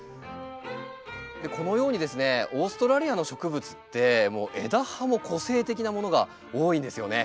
このようにですねオーストラリアの植物ってもう枝葉も個性的なものが多いんですよね。